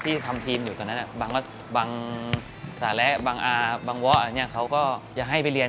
ที่ทำทีมอยู่ตอนนั้น